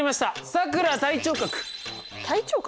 さくら隊長角。